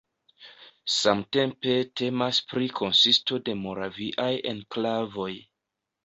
Samtempe temas pri konsisto de Moraviaj enklavoj.